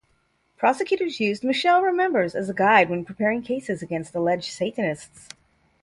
Prosecutors used "Michelle Remembers" as a guide when preparing cases against alleged Satanists.